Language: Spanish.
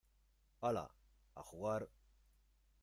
hala, a jugar.